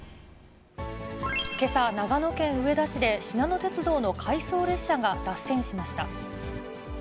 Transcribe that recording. けさ、長野県上田市で、しなの鉄道の回送列車が脱線しました。